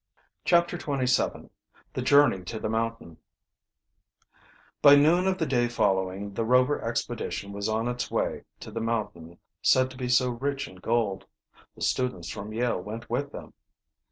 CHAPTER XXVII THE JOURNEY TO THE MOUNTAIN By noon of the day following the Rover expedition was on its way to the mountain said to be so rich in gold. The students from Yale went with them.